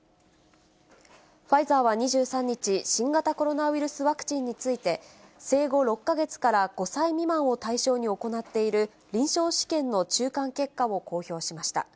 ファイザーは２３日、新型コロナウイルスワクチンについて、生後６か月から５歳未満を対象に行っている臨床試験の中間結果を公表しました。